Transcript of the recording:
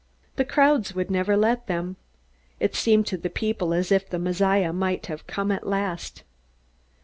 The crowds would never let them. It seemed to the people as if the Messiah might have come at last.